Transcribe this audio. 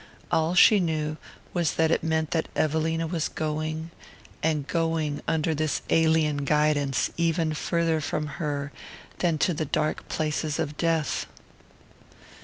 All she knew was that it meant that Evelina was going, and going, under this alien guidance, even farther from her than to the dark places of death.